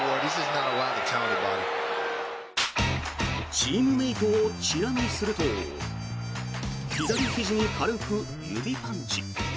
チームメートをチラ見すると左ひじに軽く指パンチ。